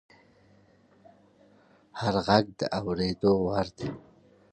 هر غږ د اورېدو وړ دی